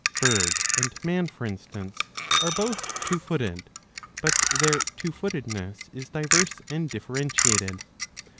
(Bird and Man for instance are both Two footed, but their two footedness is diverse and differentiated.